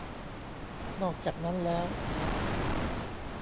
นอกจากนั้นแล้ว